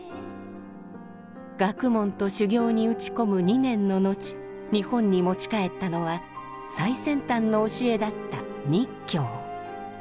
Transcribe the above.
学問と修行に打ち込む２年の後日本に持ち帰ったのは最先端の教えだった密教。